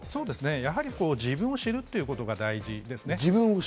やはり自分を知ることが大事ですね。